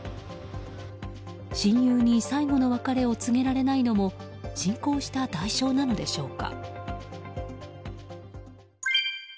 親友に最後の別れを告げられないのも侵攻した代償なのでしょうか。